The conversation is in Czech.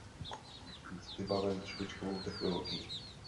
Konec konců Evropský parlament by měl být vybaven špičkovou technologií.